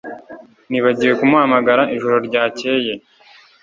Nibagiwe kumuhamagara ijoro ryakeye